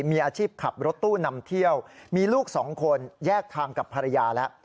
มีอาชีพขับรถตู้นำเที่ยวมีลูกสองคนแยกทางกับภรรยาแล้ว